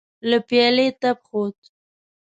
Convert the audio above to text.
له پيالې تپ خوت.